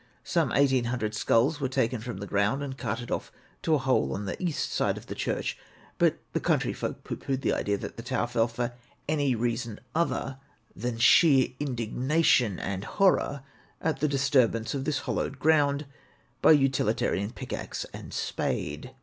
Some eighteen hundred skulls were taken from the ground and carted off to a hole on the east side of the church. But the country folk pooh pooh the idea that the tower fell for any reason other than sheer indignation and horror at the disturbance of this hallowed ground by utilitarian pickaxe and spade.